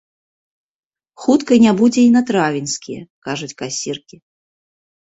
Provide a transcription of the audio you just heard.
Хутка не будзе і на травеньскія, кажуць касіркі.